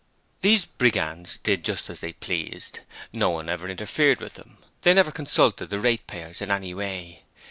These Brigands did just as they pleased. No one ever interfered with them. They never consulted the ratepayers in any way.